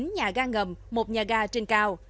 chín nhà ga ngầm một nhà ga trên cao